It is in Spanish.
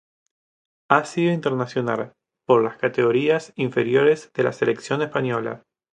Ha sido internacional por las categorías inferiores de la selección española.